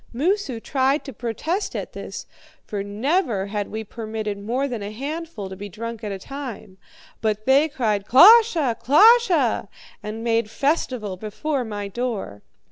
Moosu tried to protest at this, for never had we permitted more than a handful to be drunk at a time; but they cried, 'KLOSHE! KLOSHE!' and made festival before my door.